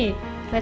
apa yang salah